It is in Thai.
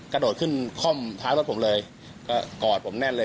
กระโดดขึ้นค่อมท้ายรถผมเลยก็กอดผมแน่นเลย